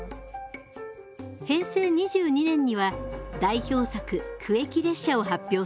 平成２２年には代表作「苦役列車」を発表します。